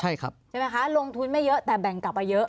ใช่ไหมคะลงทุนไม่เยอะแต่แบ่งกลับไปเยอะ